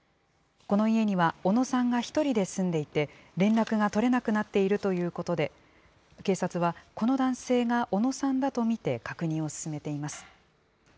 この家には小野さんが１人で住んでいて、連絡が取れなくなっているということで、警察はこの男性が小野さんだと見て、確認を進めています。